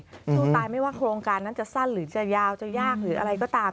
สู้ตายไม่ว่าโครงการนั้นจะสั้นหรือจะยาวจะยากหรืออะไรก็ตาม